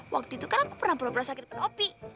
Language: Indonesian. waktu itu kan aku pernah pura pura sakit dengan opi